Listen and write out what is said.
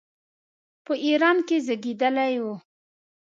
په ایران کې زېږېدلی وو.